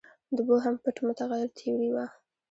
د بوهم پټ متغیر تیوري وه.